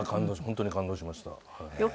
本当に感動しました。